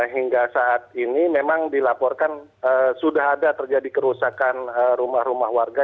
hingga saat ini memang dilaporkan sudah ada terjadi kerusakan rumah rumah warga